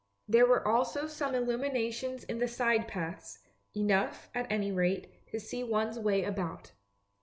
There were also some illuminations in the side paths, enough, at any rate, to see one's way about.